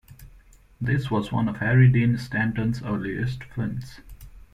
This was one of Harry Dean Stanton's earliest films.